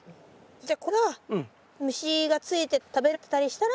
じゃあこれが虫がついてたり食べられてたりしたら。